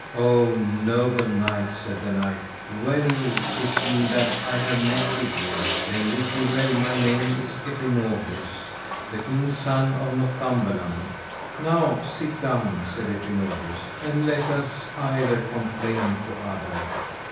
O noble knight, said that knight, well is me that I have met with you; and wit ye well my name is Epinogris, the king's son of Northumberland. Now sit down, said Epinogris, and let us either complain to other.